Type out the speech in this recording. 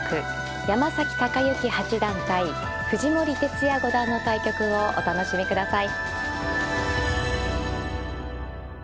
山崎隆之八段対藤森哲也五段の対局をお楽しみください。